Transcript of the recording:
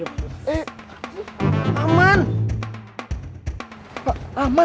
sobat semanoken tiga